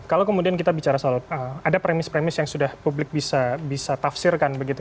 kalau kemudian kita bicara soal ada premis premis yang sudah publik bisa tafsirkan begitu